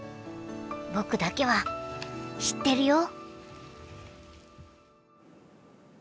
僕だけは知ってるよ。